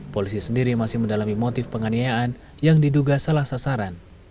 polisi sendiri masih mendalami motif penganiayaan yang diduga salah sasaran